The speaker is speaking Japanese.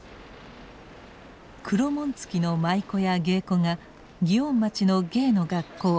黒紋付きの舞妓や芸妓が祇園町の芸の学校